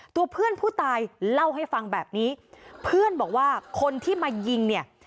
ตัวเพื่อนผู้ตายเล่าให้ฟังแบบนี้เพื่อนบอกว่าคนที่มายิงเนี่ย